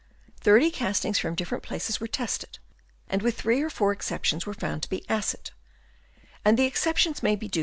Thirty castings from different places were tested, and with three or four exceptions were found to be acid ; and the exceptions may have been due * M.